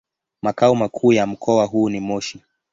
Makao makuu ya mkoa huu ni Moshi.